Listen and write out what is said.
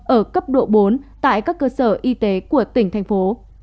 ở cấp độ bốn tại các cơ sở y tế của tỉnh thành phố